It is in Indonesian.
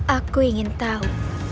aku ingin tahu